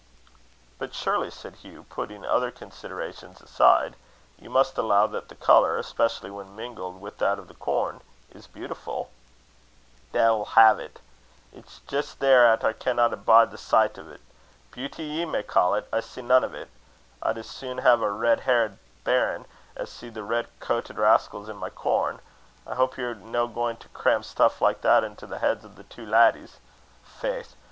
"But surely," said Hugh, "putting other considerations aside, you must allow that the colour, especially when mingled with that of the corn, is beautiful." "Deil hae't! It's jist there 'at I canna bide the sicht o't. Beauty ye may ca' 't! I see nane o't. I'd as sune hae a reid heedit bairn, as see thae reid coatit rascals i' my corn. I houp ye're no gaen to cram stuff like that into the heeds o' the twa laddies. Faith!